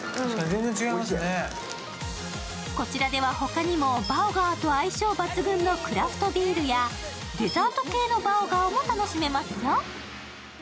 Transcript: こちらでは他にもバーガーと相性抜群のクラフトビールやデザート系のバオガーも楽しめますよ。